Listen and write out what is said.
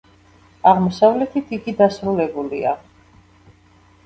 აღმოსავლეთით იგი დასრულებულია.